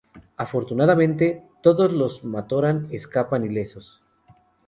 Afortunadamente, todos los Matoran escapan ilesos.